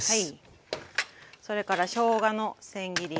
それからしょうがのせん切り。